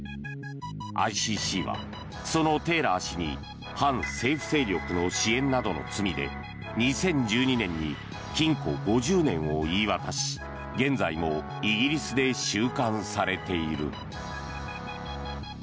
ＩＣＣは、そのテーラー氏に反政府勢力の支援などの罪で２０１２年に禁固５０年を言い渡し現在もイギリスで収監されている。